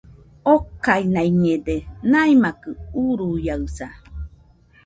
okainaiñede, naimakɨ uruiaɨsa